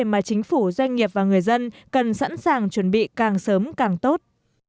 mà chính phủ doanh nghiệp và người dân cần sẵn sàng chuẩn bị càng sớm càng tốt